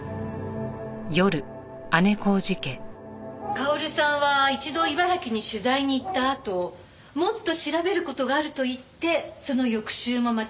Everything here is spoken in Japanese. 薫さんは一度茨城に取材に行ったあともっと調べる事があると言ってその翌週もまた取材に向かった。